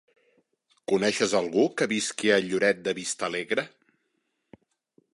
Coneixes algú que visqui a Lloret de Vistalegre?